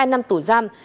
hai năm tù giam